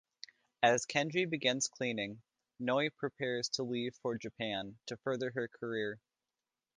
As Kenji begins cleaning, Noi prepares to leave for Japan to further her career.